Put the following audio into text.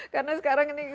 karena sekarang ini